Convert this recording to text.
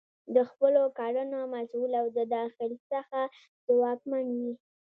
د خپلو کړنو مسؤل او د داخل څخه ځواکمن وي.